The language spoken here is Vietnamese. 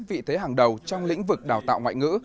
vị thế hàng đầu trong lĩnh vực đào tạo ngoại ngữ